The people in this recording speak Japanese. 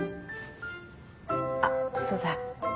あっそうだ。